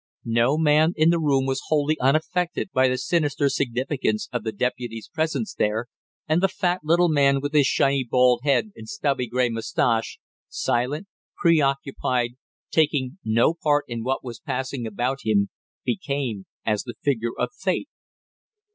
No man in the room was wholly unaffected by the sinister significance of the deputy's presence there, and the fat little man with his shiny bald head and stubby gray mustache, silent, preoccupied, taking no part in what was passing about him, became as the figure of fate.